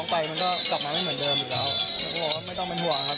ผมก็บอกว่าไม่ต้องเป็นห่วงครับ